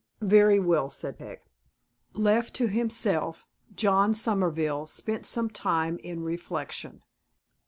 "Very well," said Peg. Left to himself, John Somerville spent some time in reflection.